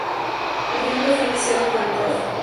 El proyecto fue iniciado por el Prof.